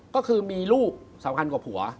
ก็คือมีลูกสำคัญกว่าผัว